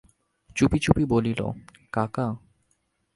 চুপি চুপি বলিল, কাকা।